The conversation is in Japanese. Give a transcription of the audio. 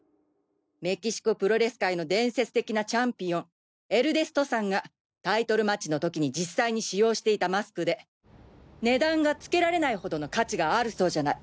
メキシコプロレス界の伝説的なチャンピオンエルデストサンがタイトルマッチの時に実際に使用していたマスクで値段がつけられないほどの価値があるそうじゃない！